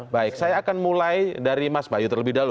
baik saya akan mulai dari mas bayu terlebih dahulu